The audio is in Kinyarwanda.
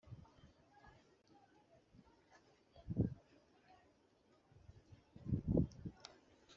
ntitwatinze kwizera ibyo twifuza.